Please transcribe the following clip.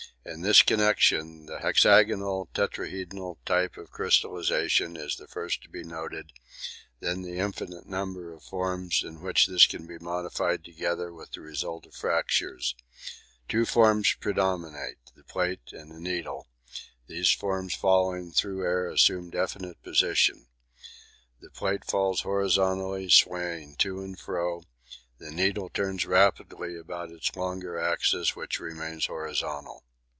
In this connection the hexagonal, tetrahedonal type of crystallisation is first to be noted; then the infinite number of forms in which this can be modified together with result of fractures: two forms predominate, the plate and the needle; these forms falling through air assume definite position the plate falls horizontally swaying to and fro, the needle turns rapidly about its longer axis, which remains horizontal.